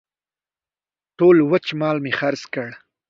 ټول وچ مال مې خرڅ کړ.